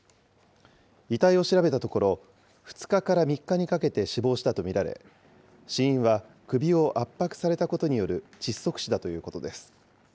遺体を調べたところ、２日から３日にかけて、死亡したと見られ、死因は首を圧迫されたことによる窒息死だということです。